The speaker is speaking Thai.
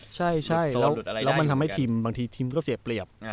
ใช่แล้วมันทำให้ทีมบางทีทีมก็เสียเปรียบ